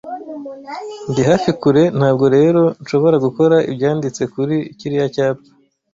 Ndi hafi-kure, ntabwo rero nshobora gukora ibyanditse kuri kiriya cyapa.